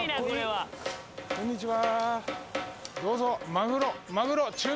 こんにちは